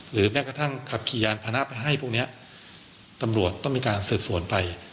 แม้กระทั่งขับขี่ยานพานะไปให้พวกนี้ตำรวจต้องมีการสืบสวนไป